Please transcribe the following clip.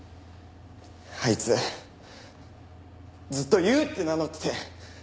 あいつずっと「ユウ」って名乗ってて。